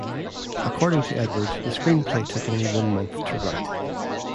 According to Edwards, the screenplay took only one month to write.